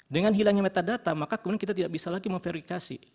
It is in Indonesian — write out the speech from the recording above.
dengan hilangnya metadata maka kemudian kita tidak bisa lagi memverifikasi